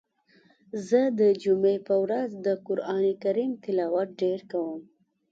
زه د جمعی په ورځ د قرآن کریم تلاوت ډیر کوم.